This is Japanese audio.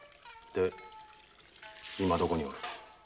で今どこにおる？